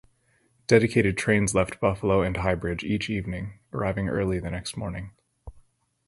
Dedicated trains left Buffalo and Highbridge each evening arriving early the next morning.